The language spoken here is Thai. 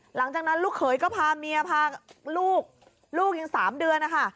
หลังจากนั้นลูกเขยก็พาเมียพาลูกลูกยัง๓เดือนนะคะ